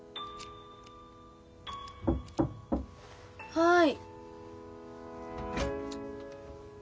はい。